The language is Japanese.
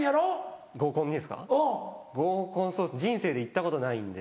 人生で行ったことないんで。